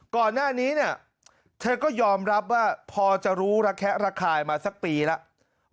ก่อนหน้านี้เนี่ยเธอก็ยอมรับว่าพอจะรู้ระแคะระคายมาสักปีแล้ว